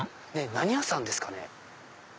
何屋さんですかね？